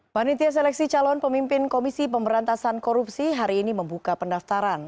panitia seleksi calon pemimpin komisi pemberantasan korupsi hari ini membuka pendaftaran